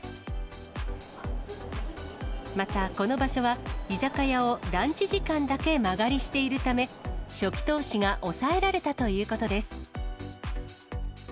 またこの場所は、居酒屋をランチ時間だけ間借りしているため、初期投資が抑えられたということです。